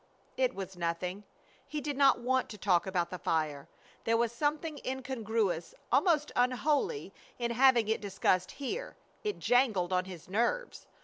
"It was nothing!" He did not want to talk about the fire. There was something incongruous, almost unholy, in having it discussed here. It jangled on his nerves.